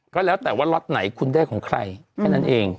ก็แล้วแต่ว่าล็อตไหนคุณได้ของใครแค่นั้นเอง